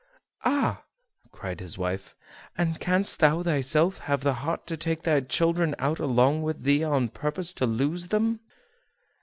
"Ah!" cried his wife; "and canst thou thyself have the heart to take thy children out along with thee on purpose to lose them?"